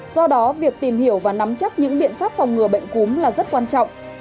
do đó việc tìm hiểu và nắm chắc những biện pháp phòng ngừa bệnh cúm là rất quan trọng